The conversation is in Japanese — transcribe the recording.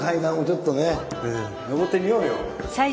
上ってみようよ。